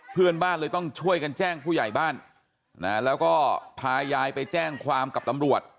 เพื่อนบ้านเลยต้องช่วยกันแจ้งผู้ใหญ่บ้านนะแล้วก็พายายไปแจ้งความกับตำรวจ